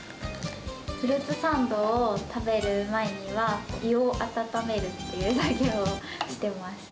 フルーツサンドを食べる前には、胃を温めるっていう作業をしてます。